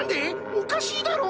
おかしいだろ？